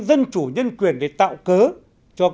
dân chủ nhân quyền để tạo cớ